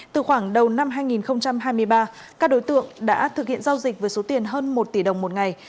từ khoảng đầu năm hai nghìn hai mươi ba các đối tượng đã thực hiện giao dịch với số tiền hơn một tỷ đồng một ngày